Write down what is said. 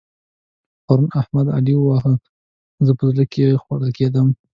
پرون احمد؛ علي وواهه. زه په زړه کې خوړل کېدم.